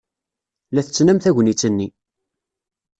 La tettnam tagnit-nni.